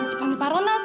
tempatnya pak ronald tuh